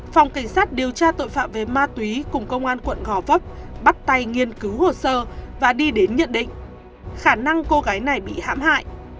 phòng cảnh sát điều tra tội phạm về ma túy cùng công an quận gò vấp bắt tay nghiên cứu hồ sơ và đi đến nhận định khả năng cô gái này bị hãm hại